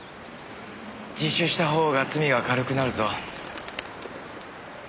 自首した方が罪は軽くなるぞ。